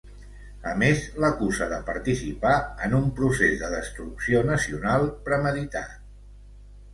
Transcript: A més, l’acusa de participar en ‘un procés de destrucció nacional’ premeditat.